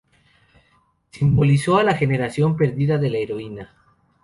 Simbolizó a la generación perdida de la heroína.